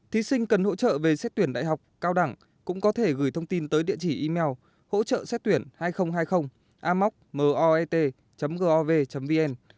thí sinh cần hỗ trợ về xét tuyển đại học cao đẳng cũng có thể gửi thông tin tới địa chỉ email hỗ trợxéttuyển hai nghìn hai mươi amoc gov vn